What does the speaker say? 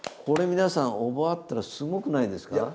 これ皆さん覚えたらすごくないですか？